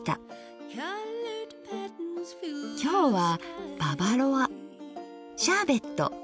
今日は「ババロア」「シャーベット」！